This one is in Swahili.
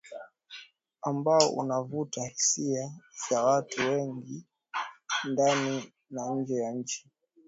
ambao unavuta hisia za watu wengi ndani na nje ya nchi hii